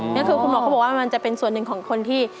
นี่คือคุณหมอเขาบอกว่ามันจะเป็นส่วนหนึ่งของคนที่